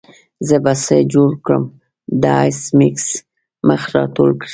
زه به څه جوړ کړم د ایس میکس مخ راټول شو